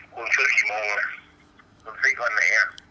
คุณพ่อได้จดหมายมาที่บ้าน